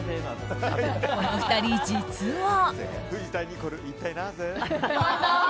この２人、実は。